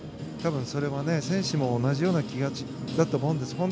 多分それは選手も同じような気持ちだと思うんです。